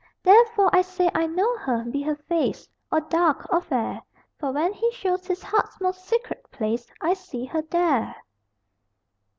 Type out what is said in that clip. Therefore I say I know her, be her face Or dark or fair For when he shows his heart's most secret place I see her there!